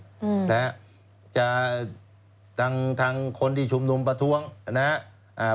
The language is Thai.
อืมนะฮะจะทางทางคนที่ชุมนุมประท้วงนะฮะอ่า